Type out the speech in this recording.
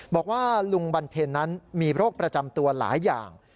บอกว่าลุงบันเพ็ญนั้นมีโรคประจำตัวหลายอย่าง